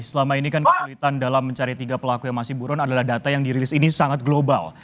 selama ini kan kesulitan dalam mencari tiga pelaku yang masih buron adalah data yang dirilis ini sangat global